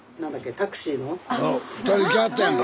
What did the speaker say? スタジオ２人来はったやんか！